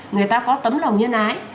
người ta có tấm lòng nhân ái